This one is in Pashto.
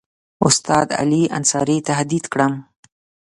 استاد علي انصاري تهدید کړم.